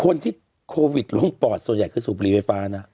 คนที่โควิดลงปอดส่วนใหญ่คือสูบรีไฟฟ้านะ